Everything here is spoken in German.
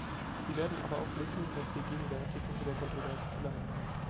Sie werden aber auch wissen, dass wir gegenwärtig unter der Kontroverse zu leiden haben.